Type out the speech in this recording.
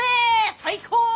最高！